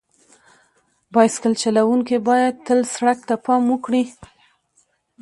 بایسکل چلونکي باید تل سړک ته پام وکړي.